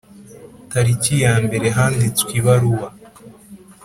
Tariki ya mbere handitswe ibaruwa